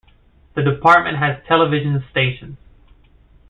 The department has televisions stations.